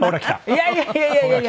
いやいやいやいや！